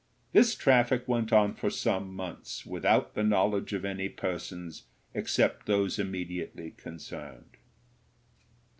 This traffic went on for some months without the knowledge of any persons except those immediately concerned.